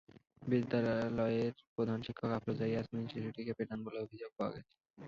বিদ্যালয়ের প্রধান শিক্ষক আফরোজা ইয়াসমিন শিশুটিকে পেটান বলে অভিযোগ পাওয়া গেছে।